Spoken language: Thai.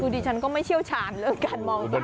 ดิฉันก็ไม่เชี่ยวชาญเรื่องการมองตา